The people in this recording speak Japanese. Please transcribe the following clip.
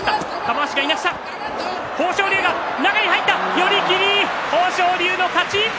寄り切り、豊昇龍の勝ち。